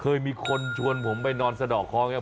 เคยมีคนชวนผมไปนอนสะดอกเคราะห์ไง